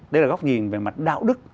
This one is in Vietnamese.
đấy là góc nhìn về mặt đạo đức